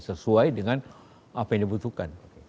sesuai dengan apa yang dibutuhkan